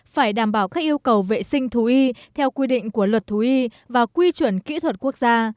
phải đảm bảo các yêu cầu vệ sinh thú y theo quy định của luật thú y và quy chuẩn kỹ thuật quốc gia